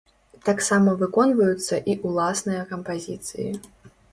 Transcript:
Таксама выконваюцца і ўласныя кампазіцыі.